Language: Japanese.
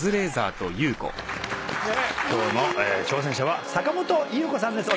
今日の挑戦者は坂本優子さんです。